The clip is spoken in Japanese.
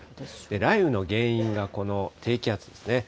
雷雨の原因がこの低気圧ですね。